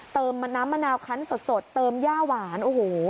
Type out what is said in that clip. น้ำมะนาวคันสดเติมย่าหวานโอ้โห